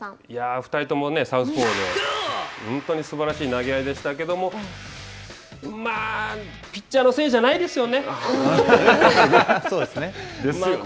２人ともサウスポーで本当にすばらしい投げ合いでしたけどもまあ、ピッチャーのせいじゃないですよね。